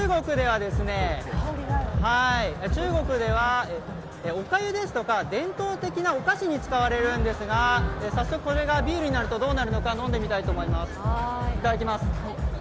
中国では、おかゆですとか、伝統的なお菓子に使われるんですが、早速これがビールになるとどうなるのか、飲んでみたいと思います。